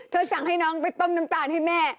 สั่งให้น้องไปต้มน้ำตาลให้แม่